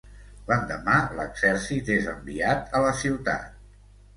L'endemà, l'exèrcit és enviat a la ciutat.